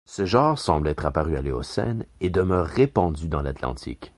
Ce genre semble être apparu à l'Éocène, et demeure répandu dans l'Atlantique.